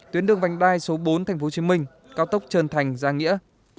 tuyến đường vành đai số bốn tp hcm cao tốc trần thành giang nghĩa